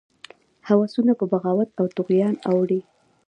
هوسونه په بغاوت او طغیان اوړي.